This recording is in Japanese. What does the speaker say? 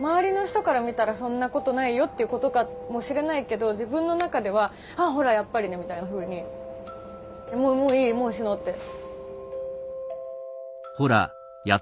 周りの人から見たらそんなことないよっていうことかもしれないけど自分の中では「ほら、やっぱりね」みたいなふうにもういいもう死のうって。